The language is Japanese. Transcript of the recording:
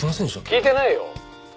「聞いてないよ！」